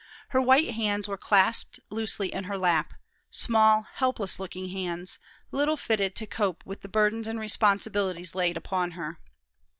Her white hands were clasped loosely in her lap; small, helpless looking hands, little fitted to cope with the burdens and responsibilities laid upon her.